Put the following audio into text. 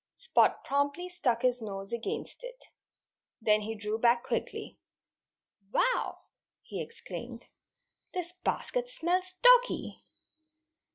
Spot promptly stuck his nose against it. Then he drew back quickly. "Wow!" he exclaimed. "This basket smells _doggy!